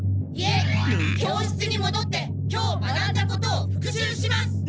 いえ教室にもどって今日学んだことを復習します。